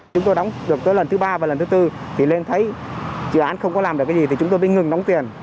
chúng tôi đóng được tới lần thứ ba và lần thứ tư thì lên thấy dự án không có làm được cái gì thì chúng tôi mới ngừng đóng tiền